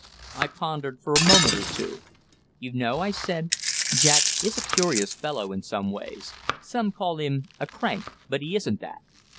I pondered for a moment or two. "You know," I said, "Jack is a curious fellow in some ways some call him a crank, but he isn't that.